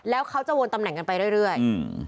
แล้วเขาจะวนตำแหน่งกันไปเรื่อย